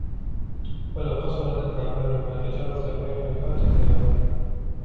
وَلَوْ قَصُرْت الْآمَالُ مَا تَجَاوَزَ الْوَاحِدُ حَاجَةَ يَوْمِهِ